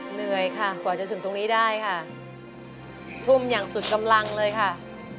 เหนื่อยค่ะกว่าจะถึงตรงนี้ได้ค่ะทุ่มอย่างสุดกำลังเลยค่ะ